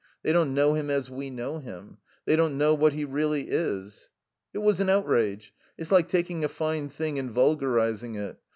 They don't know him as we know him. They don't know what he really is." "It was an outrage. It's like taking a fine thing and vulgarizing it.